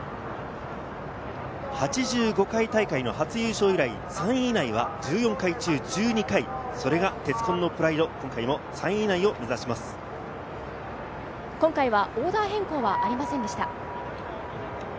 ８５回大会の初優勝以来、３位以内は１４回中１２回、これが鉄紺のプライド、今回も３今回はオーダー変更はありませんでした。